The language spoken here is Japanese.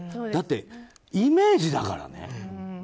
だってイメージだからね。